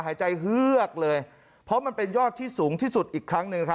หายใจเฮือกเลยเพราะมันเป็นยอดที่สูงที่สุดอีกครั้งหนึ่งนะครับ